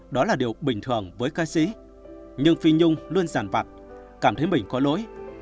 đó là điều bình thường với ca sĩ nhưng phi nhung luôn giàn vặt cảm thấy mình có lỗi